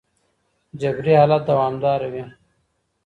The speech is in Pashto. جبري حالت دوامداره وي.